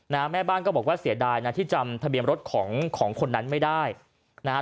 แม่บ้านก็บอกว่าเสียดายนะที่จำทะเบียนรถของของคนนั้นไม่ได้นะฮะ